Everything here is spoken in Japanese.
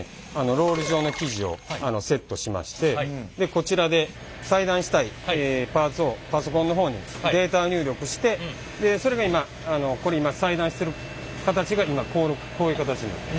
ロール状の生地をセットしましてこちらで裁断したいパーツをパソコンの方にデータ入力してでそれが今ここに裁断してる形が今こういう形になります。